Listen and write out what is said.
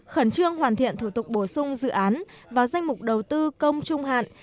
khẩn trương hoàn thiện thủ tục bổ sung dự án vào danh mục đầu tư công trung hạn